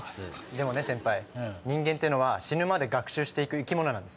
でも先輩人間ってのは死ぬまで学習して行く生き物なんです。